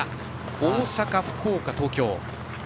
大阪、福岡、東京。